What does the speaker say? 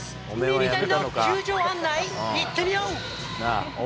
ミニタニの球場案内、いってみよう。